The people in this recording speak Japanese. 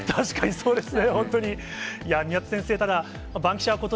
そうですね。